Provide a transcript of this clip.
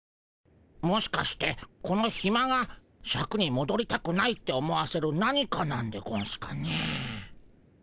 もしかしてこのヒマがシャクにもどりたくないって思わせる何かなんでゴンスかね？